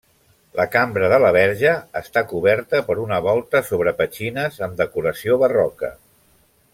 La cambra de la verge està coberta per una volta sobre petxines amb decoració barroca.